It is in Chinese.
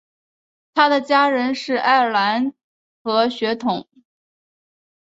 他的家人是爱尔兰和血统。